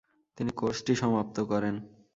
তিনি কোর্সটি সমাপ্ত করেন।